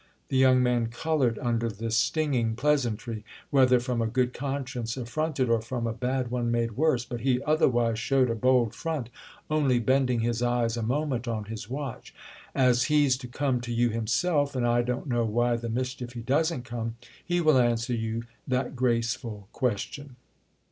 The young man coloured under this stinging pleasantry—whether from a good conscience affronted or from a bad one made worse; but he otherwise showed a bold front, only bending his eyes a moment on his watch. "As he's to come to you himself—and I don't know why the mischief he doesn't come!—he will answer you that graceful question."